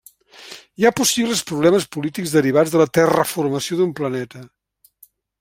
Hi ha possibles problemes polítics derivats de la terraformació d'un planeta.